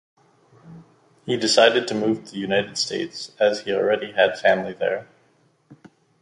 He decided to move to the United States as he already had family there.